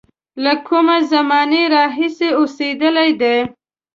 له کومې زمانې راهیسې اوسېدلی دی.